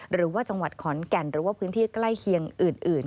หรือว่าจังหวัดขอนแก่นหรือว่าพื้นที่ใกล้เคียงอื่น